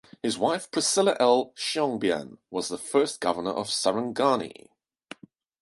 His wife, Priscilla L. Chiongbian, was the first Governor of Sarangani.